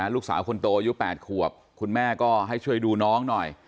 ลูกสาวคนโตอายุ๘ขวบคุณแม่ก็ให้ช่วยดูน้องหน่อย